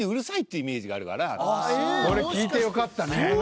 これ聞いてよかったね。